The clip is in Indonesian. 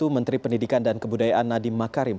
menteri pendidikan dan kebudayaan nadiem makarim